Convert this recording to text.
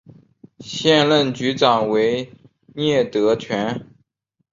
现任局长为聂德权。